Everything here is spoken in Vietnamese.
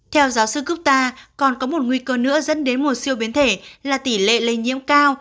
theo giáo sư quốc ta còn có một nguy cơ nữa dẫn đến một siêu biến thể là tỷ lệ lây nhiễm cao